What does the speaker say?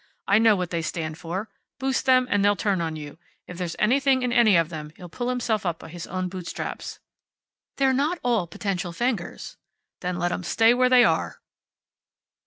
I know what they stand for. Boost them, and they'll turn on you. If there's anything in any of them, he'll pull himself up by his own bootstraps." "They're not all potential Fengers." "Then let 'em stay what they are."